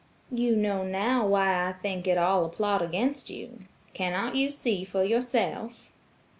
"You know now why I think it all a plot against you. Cannot you see for yourself?"